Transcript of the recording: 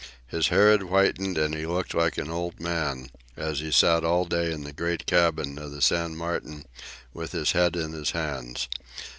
His hair had whitened, and he looked like an old man, as he sat all day in the "great cabin" of the "San Martin," with his head in his hands.